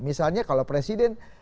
misalnya kalau presiden